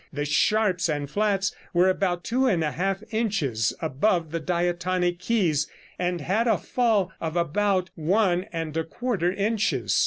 The sharps and flats were about two and a half inches above the diatonic keys, and had a fall of about one and a quarter inches.